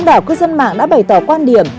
bảo quốc dân mạng đã bày tỏ quan điểm